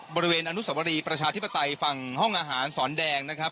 บริเวณอนุสวรีประชาธิปไตยฝั่งห้องอาหารสอนแดงนะครับ